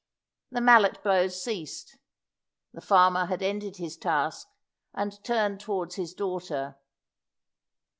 The mallet blows ceased; the farmer had ended his task, and turned towards his daughter.